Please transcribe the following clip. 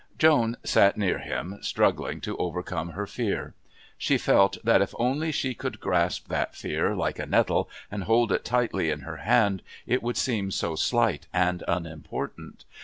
Joan sat near to him, struggling to overcome her fear. She felt that if only she could grasp that fear, like a nettle, and hold it tightly in her hand it would seem so slight and unimportant.